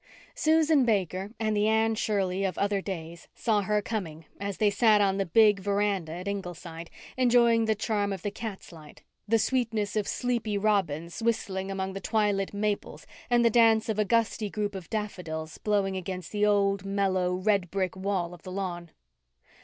Susan Baker and the Anne Shirley of other days saw her coming, as they sat on the big veranda at Ingleside, enjoying the charm of the cat's light, the sweetness of sleepy robins whistling among the twilit maples, and the dance of a gusty group of daffodils blowing against the old, mellow, red brick wall of the lawn.